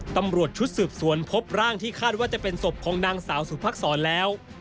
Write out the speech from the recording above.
ตำรวจชุดสืบสวนพบร่างที่คาดว่าจะเป็นศพของนางสาวสุภักษรแล้ว